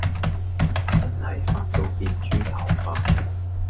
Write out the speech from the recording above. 真係發到變豬頭呀